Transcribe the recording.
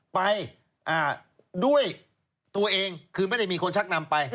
ไปด้วยตัวเองคือไม่ได้มีคนชักนำไป